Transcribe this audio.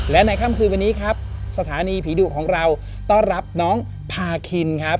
และในค่ำคืนวันนี้ครับสถานีผีดุของเราต้อนรับน้องพาคินครับ